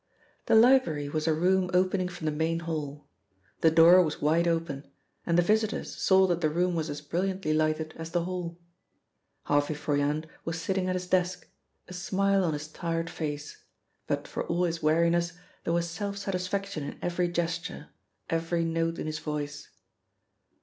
The library was a room opening from the main hall; the door was wide open, and the visitors saw that the room was as brilliantly lighted as the hall. Harvey Froyant was sitting at his desk, a smile on his tired face, but for all his weariness there was self satisfaction in every gesture, every note in his voice.